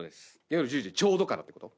夜１０時ちょうどからってこと？